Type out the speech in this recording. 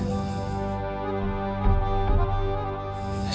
kalau begitu saya percaya dengan anda